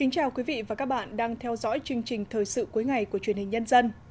chào mừng quý vị đến với bộ phim thời sự cuối ngày của chuyên hình nhân dân